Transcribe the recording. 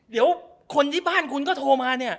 เดี๋ยวคนที่บ้านคุณก็โทรมาเนี่ย